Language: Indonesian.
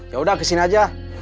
yaudah kesini aja